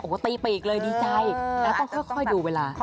ตีไปอีกเลยดีใจแล้วต้องค่อยดูเวลา